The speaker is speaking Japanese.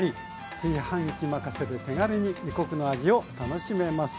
炊飯器任せで手軽に異国の味を楽しめます。